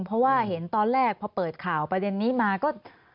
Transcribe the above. เพราะว่าเห็นตอนแรกพอเปิดข่าวประเด็นนี้มาก็